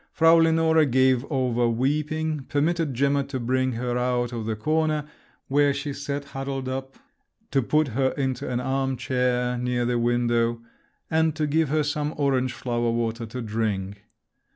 Frau Lenore gave over weeping, permitted Gemma to bring her out of the corner, where she sat huddled up, to put her into an arm chair near the window, and to give her some orange flower water to drink.